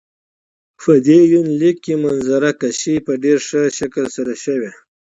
په دې يونليک کې منظره کشي په ډېر ښه شکل سره شوي.